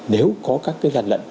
nếu có các cái gian lận